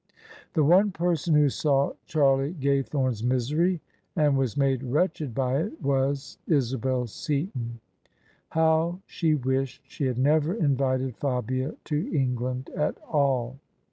The one person who saw Charlie Gaythome's misery and was made wretched by it was Isabel Seaton. How she wished she had never invited Fabia to England at all